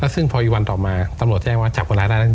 ซึ่งพออีกวันต่อมาตำรวจแจ้งว่าจับคนร้ายได้แล้ว